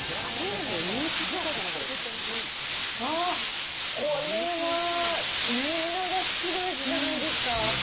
あっ、これは、みんなが好きな味じゃないですか。